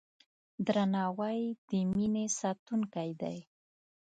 درناوی د مینې ساتونکی دی.